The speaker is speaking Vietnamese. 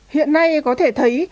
hiện nay có thể thấy